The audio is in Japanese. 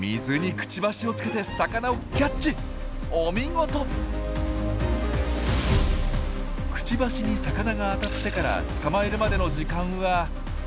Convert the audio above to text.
クチバシに魚が当たってから捕まえるまでの時間は。